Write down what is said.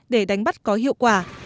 để đánh bắt có hiệu quả